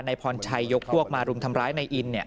นายพรชัยยกปวกมารุมทำร้ายในอินทร์